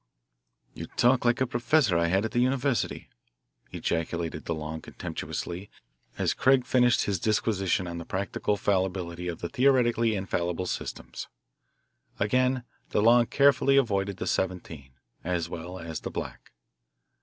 "You talk like a professor I had at the university," ejaculated DeLong contemptuously as Craig finished his disquisition on the practical fallibility of theoretically infallible systems. Again DeLong carefully avoided the "17," as well as the black.